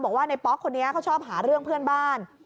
บอกว่าในป๊อกคนนี้เขาชอบหาเรื่องเพื่อนบ้าน